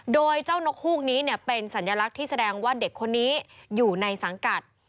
โดยเจ้านกฮูกนี้เป็นสัญลักษณ์ที่แสดงว่าเด็กคนนี้อยู่ในสังกัด